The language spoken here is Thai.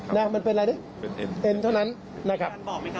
ครับนะมันเป็นอะไรด้วยเป็นเอ็นเท่านั้นนะครับ